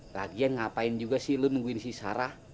lagian ngapain juga sih lu nungguin si sarah